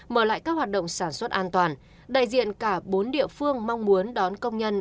mở lại các hoạt động sản xuất an toàn đại diện cả bốn địa phương mong muốn đón công nhân